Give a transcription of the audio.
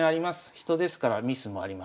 人ですからミスもあります。